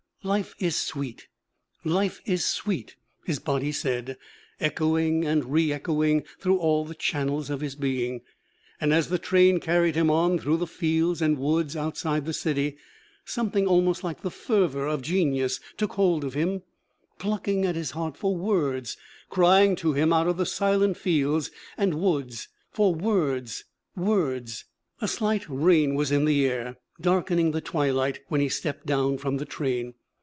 'Life is sweet! Life is sweet!' his body said, echoing and reëchoing through all the channels of his being. And as the train carried him on through the fields and woods outside the city, something almost like the fervor of genius took hold of him, plucking at his heart for words, crying to him out of the silent fields and woods for words, words! A slight rain was in the air, darkening the twilight, when he stepped down from the train.